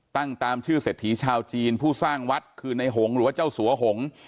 ตามชื่อเศรษฐีชาวจีนผู้สร้างวัดคือในหงษ์หรือว่าเจ้าสัวหง